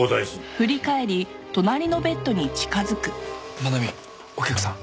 真奈美お客さん。